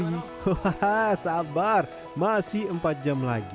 hahaha sabar masih empat jam lagi